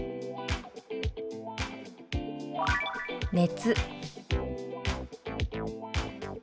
「熱」。